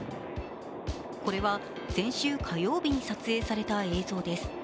これは先週火曜日に撮影された映像です。